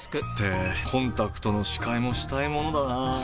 ってコンタクトの視界もしたいものだなぁ。